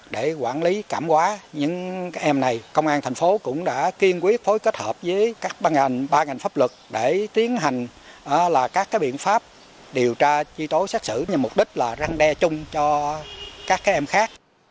đẩy mạnh tuyên truyền pháp điều tra chi tố xét xử mục đích là răng đe chung cho các em khác